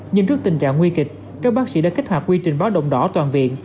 nhưng trước tình trạng nguy kịch các bác sĩ đã kích hoạt quy trình báo động đỏ toàn viện